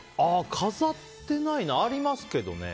飾ってないな。ありますけどね。